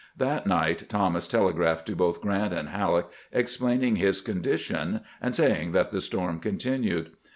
That night Thomas telegraphed to both Grant and HaUeck, explaining his condition, and saying that the storm continued.